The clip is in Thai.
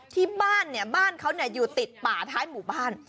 ที่บ้านเนี่ยบ้านเขาอยู่ติดป่าท้ายหมู่บ้าน